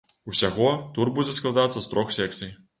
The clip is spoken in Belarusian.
Усяго тур будзе складацца з трох секцый.